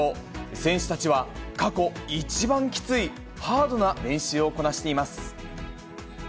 選手たちは、過去一番きつい、ハードな練習をこなしています。